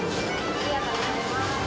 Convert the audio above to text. ありがとうございます。